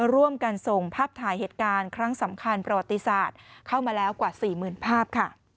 ร่วมกันส่งภาพถ่ายเหตุการณ์ครั้งสำคัญประวัติศาสตร์เข้ามาแล้วกว่า๔๐๐๐ภาพ